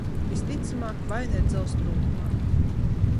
Visticamāk, vaina ir dzelzs trūkumā.